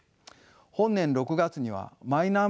本年６月にはマイナンバーの改正